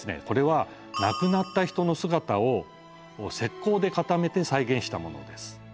これは亡くなった人の姿を石膏で固めて再現したものです。